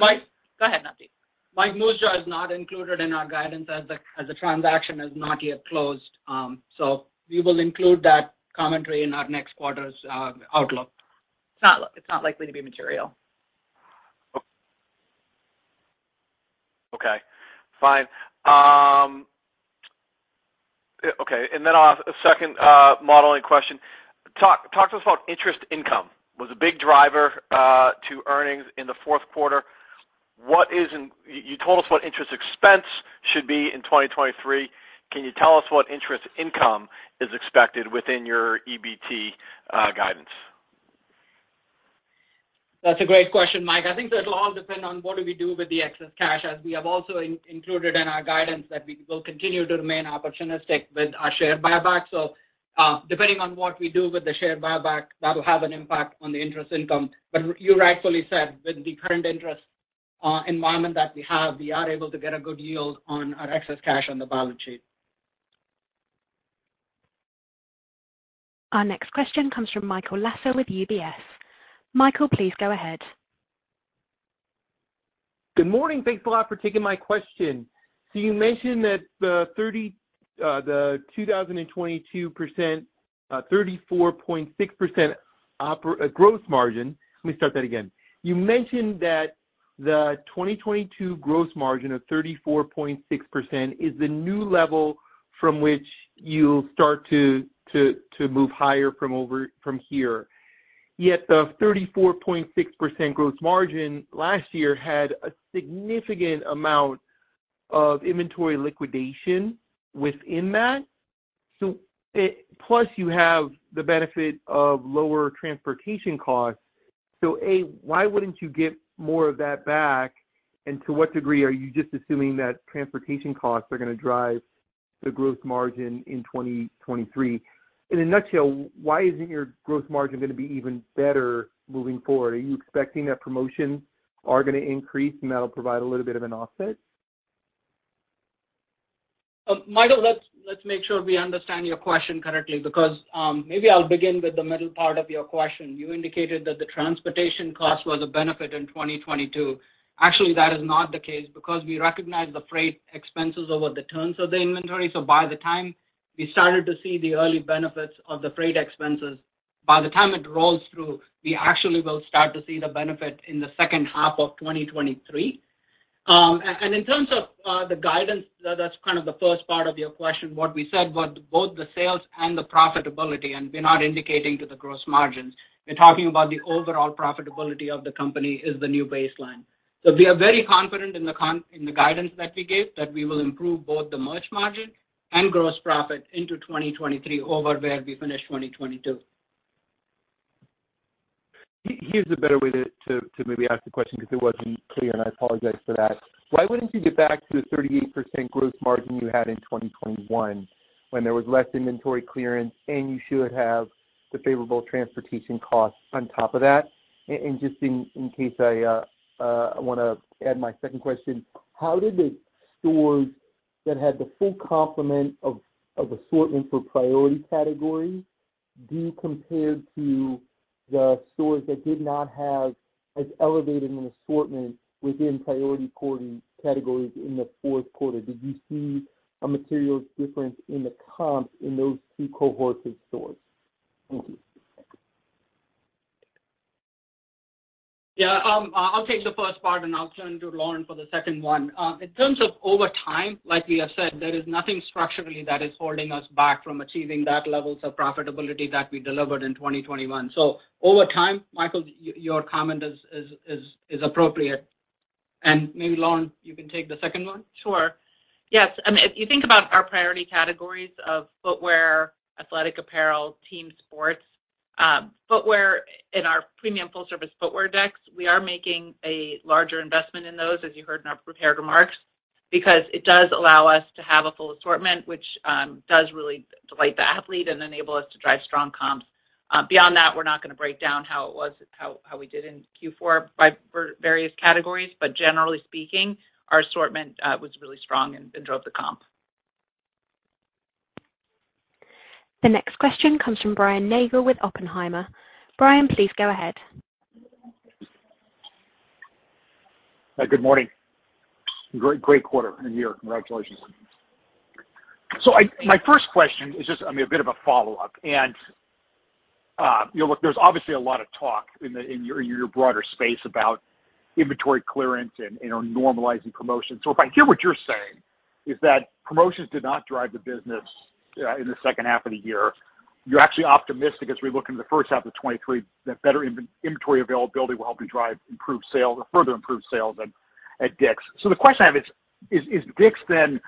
Mike. Go ahead, Navdeep. Mike, Moosejaw is not included in our guidance as the transaction is not yet closed, so we will include that commentary in our next quarter's outlook. It's not likely to be material. Okay, fine. Okay. A second modeling question. Talk to us about interest income. Was a big driver to earnings in the fourth quarter. You told us what interest expense should be in 2023. Can you tell us what interest income is expected within your EBT guidance? That's a great question, Mike. I think that'll all depend on what do we do with the excess cash, as we have also included in our guidance that we will continue to remain opportunistic with our share buyback. Depending on what we do with the share buyback, that'll have an impact on the interest income. You rightfully said, with the current interest environment that we have, we are able to get a good yield on our excess cash on the balance sheet. Our next question comes from Michael Lasser with UBS. Michael, please go ahead. Good morning. Thanks a lot for taking my question. You mentioned that the 2022 gross margin of 34.6% is the new level from which you'll start to move higher from here. Yet the 34.6% gross margin last year had a significant amount of inventory liquidation within that. Plus, you have the benefit of lower transportation costs. A, why wouldn't you give more of that back? To what degree are you just assuming that transportation costs are gonna drive the growth margin in 2023? In a nutshell, why isn't your gross margin gonna be even better moving forward? Are you expecting that promotions are gonna increase, and that'll provide a little bit of an offset? Michael, let's make sure we understand your question correctly because maybe I'll begin with the middle part of your question. You indicated that the transportation cost was a benefit in 2022. Actually, that is not the case because we recognize the freight expenses over the terms of the inventory. By the time it rolls through, we actually will start to see the benefit in the second half of 2023. In terms of the guidance, that's kind of the first part of your question, what we said about both the sales and the profitability, and we're not indicating to the gross margins. We're talking about the overall profitability of the company is the new baseline. We are very confident in the guidance that we gave, that we will improve both the merch margin and gross profit into 2023 over where we finished 2022. Here's a better way to maybe ask the question because it wasn't clear, and I apologize for that. Why wouldn't you get back to the 38% gross margin you had in 2021 when there was less inventory clearance, and you should have the favorable transportation costs on top of that? Just in case I wanna add my second question. How did the stores that had the full complement of assortment for priority categories do compared to the stores that did not have as elevated an assortment within priority categories in the fourth quarter? Did you see a material difference in the comps in those two cohorts of stores? Thank you. Yeah. I'll take the first part, I'll turn to Lauren for the second one. In terms of over time, like we have said, there is nothing structurally that is holding us back from achieving that levels of profitability that we delivered in 2021. Over time, Michael, your comment is appropriate. Maybe, Lauren, you can take the second one. Sure. Yes. I mean, if you think about our priority categories of footwear, athletic apparel, team sports, footwear in our premium full-service footwear decks, we are making a larger investment in those, as you heard in our prepared remarks, because it does allow us to have a full assortment, which, does really delight the athlete and enable us to drive strong comps. Beyond that, we're not gonna break down how we did in Q4 for various categories, but generally speaking, our assortment was really strong and drove the comp. The next question comes from Brian Nagel with Oppenheimer. Brian, please go ahead. Hi. Good morning. Great quarter and year. Congratulations. My first question is just, I mean, a bit of a follow-up, you know, look, there's obviously a lot of talk in your broader space about inventory clearance and normalizing promotions. If I hear what you're saying is that promotions did not drive the business in the second half of the year. You're actually optimistic as we look into the first half of 2023 that better inventory availability will help you drive improved sales or further improved sales at DICK'S. The question I have is, DICK'S then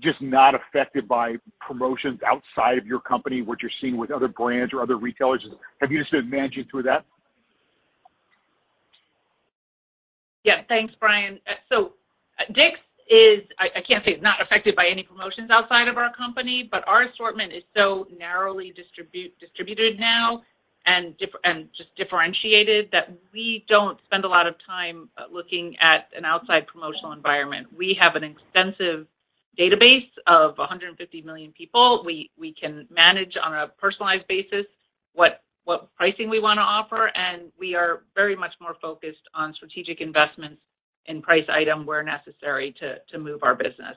just not affected by promotions outside of your company, what you're seeing with other brands or other retailers? Have you just been managing through that? Yeah. Thanks, Brian. DICK'S is I can't say it's not affected by any promotions outside of our company, but our assortment is so narrowly distributed now and just differentiated that we don't spend a lot of time looking at an outside promotional environment. We have an extensive database of 150 million people. We can manage on a personalized basis what pricing we wanna offer. We are very much more focused on strategic investments in price item where necessary to move our business.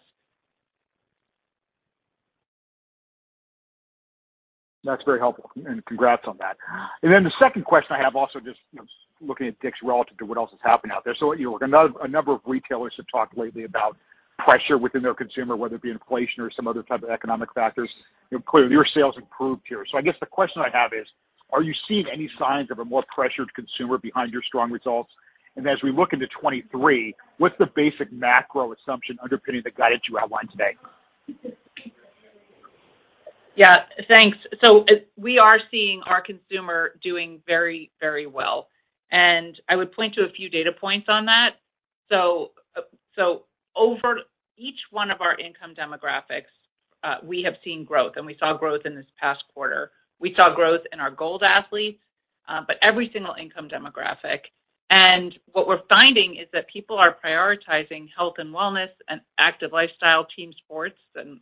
That's very helpful, and congrats on that. The second question I have also just, you know, looking at DICK'S relative to what else is happening out there. You know, a number of retailers have talked lately about pressure within their consumer, whether it be inflation or some other type of economic factors. You know, clearly your sales improved here. I guess the question I have is: Are you seeing any signs of a more pressured consumer behind your strong results? As we look into 2023, what's the basic macro assumption underpinning the guidance you outlined today? Thanks. We are seeing our consumer doing very, very well, and I would point to a few data points on that. Over each one of our income demographics, we have seen growth, and we saw growth in this past quarter. We saw growth in our Gold athletes, but every single income demographic. What we're finding is that people are prioritizing health and wellness and active lifestyle, team sports,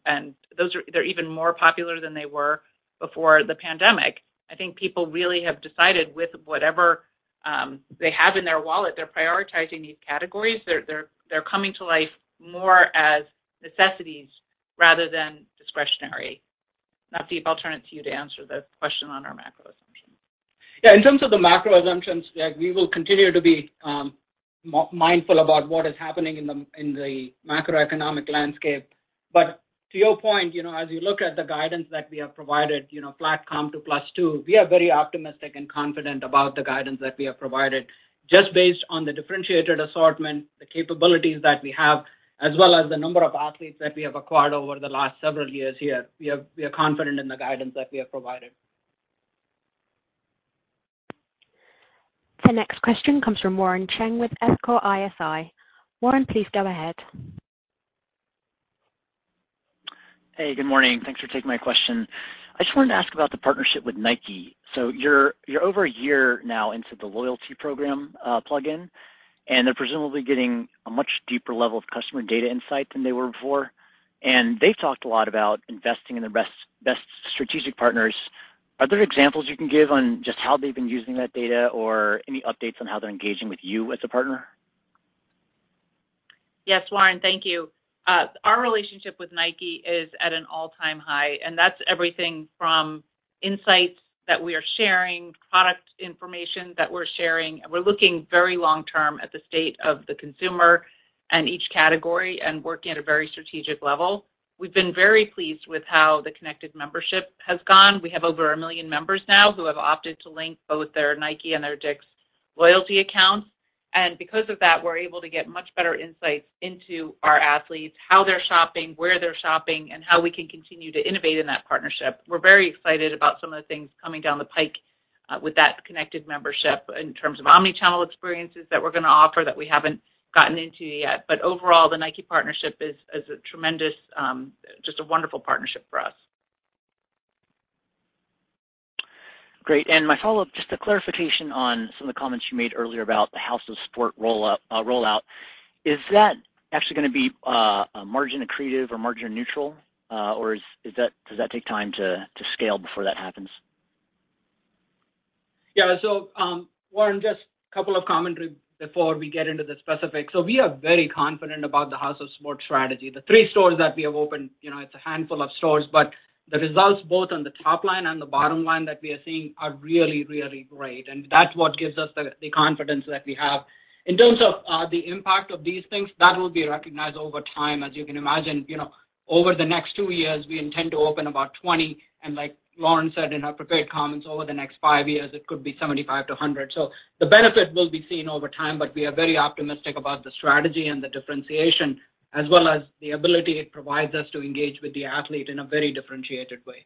and those are. They're even more popular than they were before the pandemic. I think people really have decided with whatever they have in their wallet, they're prioritizing these categories. They're coming to life more as necessities rather than discretionary. Navdeep, I'll turn it to you to answer the question on our macro assumptions. In terms of the macro assumptions, we will continue to be mindful about what is happening in the, in the macroeconomic landscape. To your point, you know, as you look at the guidance that we have provided, you know, flat comp to +2%, we are very optimistic and confident about the guidance that we have provided. Just based on the differentiated assortment, the capabilities that we have, as well as the number of athletes that we have acquired over the last several years here, we are confident in the guidance that we have provided. The next question comes from Warren Cheng with Evercore ISI. Warren, please go ahead. Hey. Good morning. Thanks for taking my question. I just wanted to ask about the partnership with Nike. You're over a year now into the loyalty program, plugin, and they're presumably getting a much deeper level of customer data insight than they were before. They talked a lot about investing in their best strategic partners. Are there examples you can give on just how they've been using that data or any updates on how they're engaging with you as a partner? Yes, Warren, thank you. Our relationship with Nike is at an all-time high. That's everything from insights that we are sharing, product information that we're sharing. We're looking very long-term at the state of the consumer and each category and working at a very strategic level. We've been very pleased with how the connected membership has gone. We have over 1 million members now who have opted to link both their Nike and their DICK'S loyalty accounts. Because of that, we're able to get much better insights into our athletes, how they're shopping, where they're shopping, and how we can continue to innovate in that partnership. We're very excited about some of the things coming down the pike with that connected membership in terms of omnichannel experiences that we're gonna offer that we haven't gotten into yet. Overall, the Nike partnership is a tremendous just a wonderful partnership for us. Great. My follow-up, just a clarification on some of the comments you made earlier about the House of Sport rollout. Is that actually gonna be margin accretive or margin neutral, or does that take time to scale before that happens? Yeah. Warren, just a couple of commentary before we get into the specifics. We are very confident about the House of Sport strategy. The three stores that we have opened, you know, it's a handful of stores, but the results both on the top line and the bottom line that we are seeing are really, really great, and that's what gives us the confidence that we have. In terms of the impact of these things, that will be recognized over time. As you can imagine, you know, over the next two years, we intend to open about 20, and like Lauren said in her prepared comments, over the next five years, it could be 75-100. The benefit will be seen over time, but we are very optimistic about the strategy and the differentiation as well as the ability it provides us to engage with the athlete in a very differentiated way.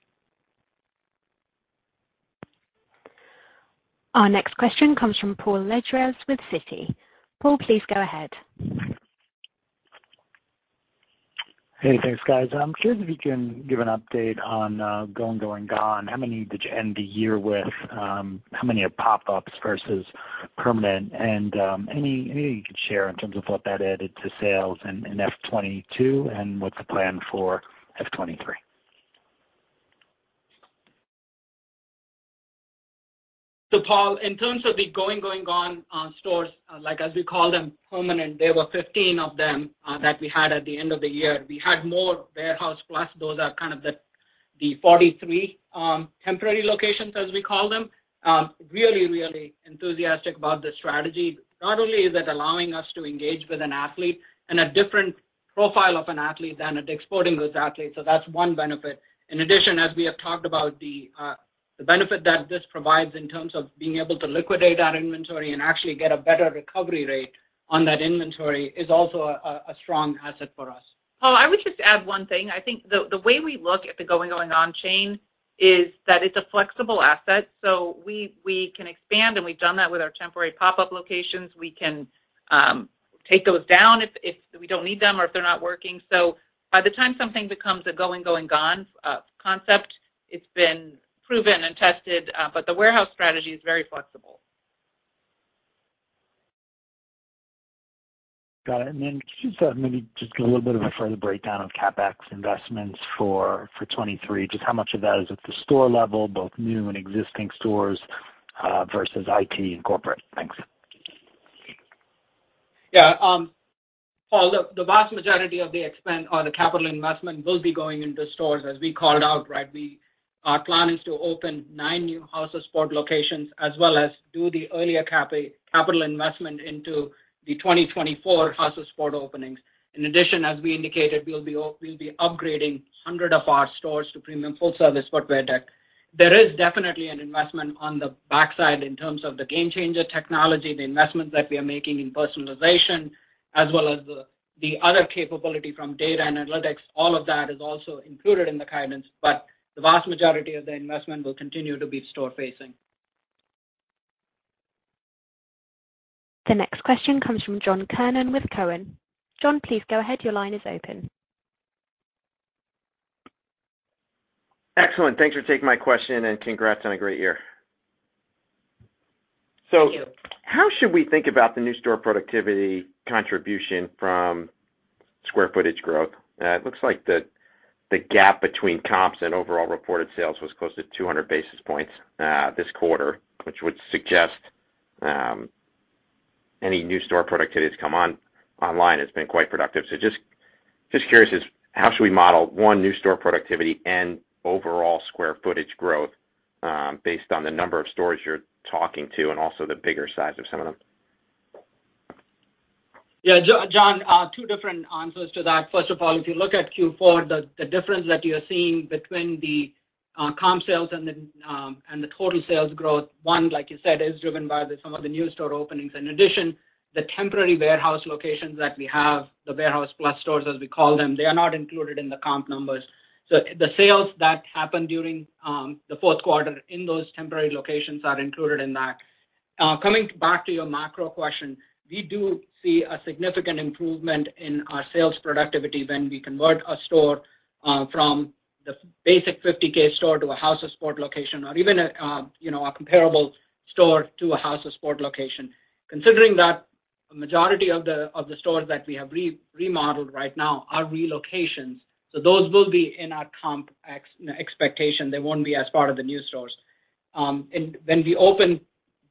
Our next question comes from Paul Lejuez with Citi. Paul, please go ahead. Hey, thanks, guys. I'm curious if you can give an update on Going, Going, Gone. How many did you end the year with? How many are pop-ups versus permanent? Anything you could share in terms of what that added to sales in FY 2022, and what's the plan for FY 2023? Paul, in terms of the Going, Going, Gone on stores, like as we call them permanent, there were 15 of them that we had at the end of the year. We had more Warehouse Plus. Those are kind of the 43 temporary locations, as we call them. Really enthusiastic about the strategy. Not only is it allowing us to engage with an athlete and a different profile of an athlete than a DICK'S Sporting Goods athlete, that's one benefit. In addition, as we have talked about, the benefit that this provides in terms of being able to liquidate our inventory and actually get a better recovery rate on that inventory is also a strong asset for us. Paul, I would just add one thing. I think the way we look at the Going, Going, Gone chain is that it's a flexible asset, so we can expand, and we've done that with our temporary pop-up locations. We can take those down if we don't need them or if they're not working. By the time something becomes a Going, Going, Gone concept, it's been proven and tested, but the warehouse strategy is very flexible. Got it. Can you just maybe just give a little bit of a further breakdown of CapEx investments for 2023? Just how much of that is at the store level, both new and existing stores, versus IT and corporate? Thanks. Paul, look, the vast majority of the capital investment will be going into stores, as we called out, right? Our plan is to open nine new House of Sport locations as well as do the earlier capital investment into the 2024 House of Sport openings. As we indicated, we'll be upgrading 100 of our stores to premium full-service footwear deck. There is definitely an investment on the backside in terms of the GameChanger technology, the investments that we are making in personalization, as well as the other capability from data and analytics. All of that is also included in the guidance, the vast majority of the investment will continue to be store-facing. The next question comes from John Kernan with Cowen. John, please go ahead. Your line is open. Excellent. Thanks for taking my question, and congrats on a great year. Thank you. How should we think about the new store productivity contribution from square footage growth? It looks like the gap between comps and overall reported sales was close to 200 basis points this quarter, which would suggest any new store productivity that's come online has been quite productive. Just curious is how should we model, one, new store productivity and overall square footage growth based on the number of stores you're talking to and also the bigger size of some of them? Yeah. John, two different answers to that. First of all, if you look at Q4, the difference that you're seeing between the comp sales and the total sales growth, one, like you said, is driven by the some of the new store openings. In addition, the temporary warehouse locations that we have, the Warehouse Plus stores, as we call them, they are not included in the comp numbers. The sales that happened during the fourth quarter in those temporary locations are included in that. Coming back to your macro question, we do see a significant improvement in our sales productivity when we convert a store from the basic 50K store to a House of Sport location or even a, you know, a comparable store to a House of Sport location. Considering that a majority of the stores that we have remodeled right now are relocations, so those will be in our comp expectation. They won't be as part of the new stores. When we open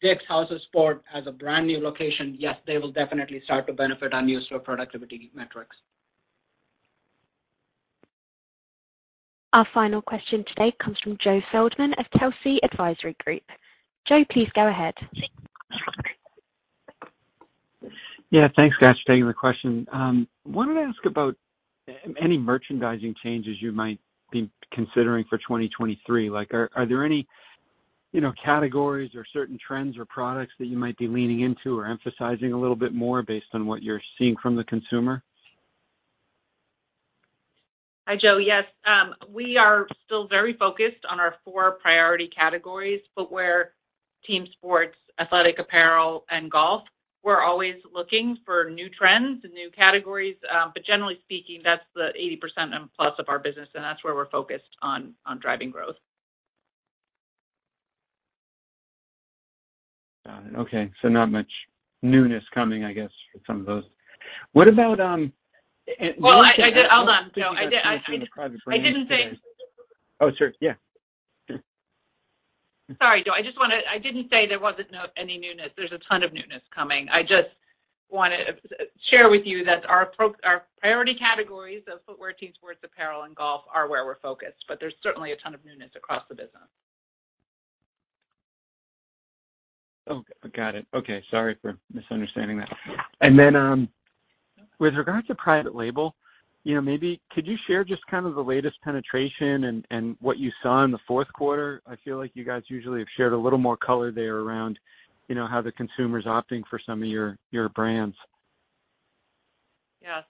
DICK'S House of Sport as a brand new location, yes, they will definitely start to benefit on usual productivity metrics. Our final question today comes from Joe Feldman of Telsey Advisory Group. Joe, please go ahead. Yeah, thanks, guys, for taking the question. Wanted to ask about any merchandising changes you might be considering for 2023. Like, are there any, you know, categories or certain trends or products that you might be leaning into or emphasizing a little bit more based on what you're seeing from the consumer? Hi, Joe. Yes. We are still very focused on our four priority categories, footwear, team sports, athletic apparel and golf. We're always looking for new trends and new categories, but generally speaking, that's the 80% and plus of our business, and that's where we're focused on driving growth. Got it. Okay. Not much newness coming, I guess, for some of those. What about? Well, I did. Hold on, Joe. I didn't say-. Oh, sorry. Yeah. Sorry, Joe. I just wanna. I didn't say there wasn't any newness. There's a ton of newness coming. I just wanna share with you that our priority categories of footwear, team sports, apparel, and golf are where we're focused. There's certainly a ton of newness across the business. Oh, got it. Okay. Sorry for misunderstanding that. With regards to private label, you know, maybe could you share just kind of the latest penetration and what you saw in the fourth quarter? I feel like you guys usually have shared a little more color there around, you know, how the consumer's opting for some of your brands. Yes.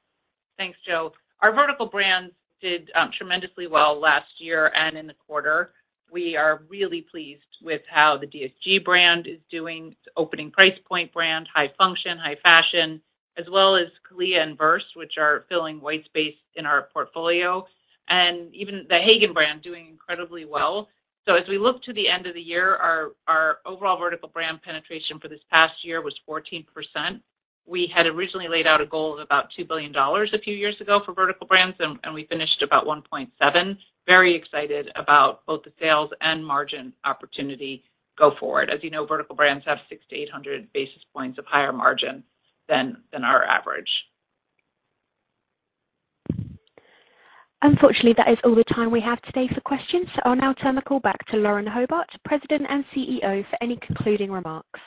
Thanks, Joe. Our vertical brands did tremendously well last year and in the quarter. We are really pleased with how the DSG brand is doing, its opening price point brand, high function, high fashion, as well as CALIA and VRST, which are filling white space in our portfolio, and even the Hagen brand doing incredibly well. As we look to the end of the year, our overall vertical brand penetration for this past year was 14%. We had originally laid out a goal of about $2 billion a few years ago for vertical brands, and we finished about $1.7 billion. Very excited about both the sales and margin opportunity go forward. As you know, vertical brands have 600-800 basis points of higher margin than our average. Unfortunately, that is all the time we have today for questions. I'll now turn the call back to Lauren Hobart, President and CEO, for any concluding remarks.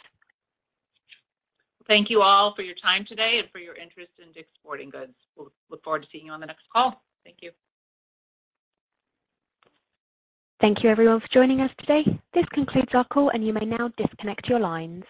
Thank you all for your time today and for your interest in DICK'S Sporting Goods. We'll look forward to seeing you on the next call. Thank you. Thank you everyone for joining us today. This concludes our call. You may now disconnect your lines.